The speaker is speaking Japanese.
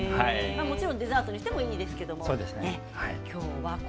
もちろんデザートにしてもいいです。